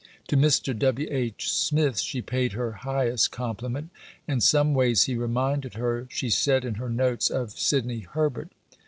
To Mr. W. H. Smith she paid her highest compliment; in some ways he reminded her, she said in her notes, of Sidney Herbert.